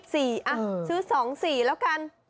ซื้อ๒๔แล้วกัน